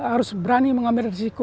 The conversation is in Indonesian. saya harus berani mengambil resiko